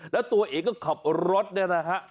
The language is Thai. แล้วตัวเองก็ขับรถเนี่ยนะฮะ